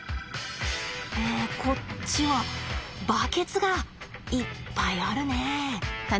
えこっちはバケツがいっぱいあるね。